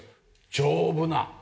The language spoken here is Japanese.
丈夫な。